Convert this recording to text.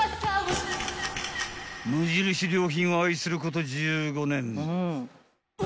［無印良品を愛すること１５年］